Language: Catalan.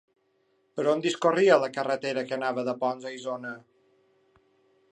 Per on discorria la carretera que anava de Ponts a Isona?